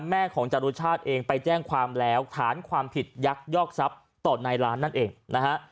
แม่ของจรุชาติเองไปแจ้งความแล้วฐานความผิดยักยอกทรัพย์ต่อนายล้านนั่นเองนะฮะ